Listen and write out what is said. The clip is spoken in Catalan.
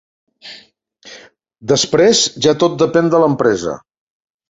Després ja tot depèn de l'empresa.